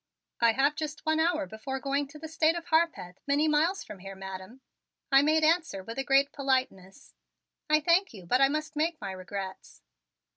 "I have just one hour before going to the State of Harpeth, many miles from here, Madam," I made answer with a great politeness. "I thank you but I must make my regrets."